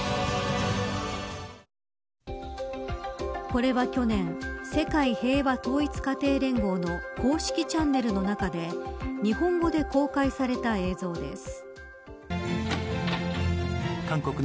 これは去年世界平和統一家庭連合の公式チャンネルの中で日本語で公開された映像です。